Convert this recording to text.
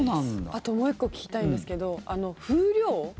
あと、もう１個聞きたいんですけど風量。